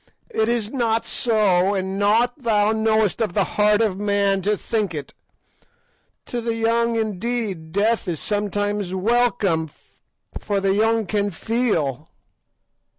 It is not so, and naught thou knowest of the heart of man to think it. To the young, indeed, death is sometimes welcome, for the young can feel.